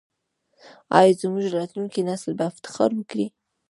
آیا زموږ راتلونکی نسل به افتخار وکړي؟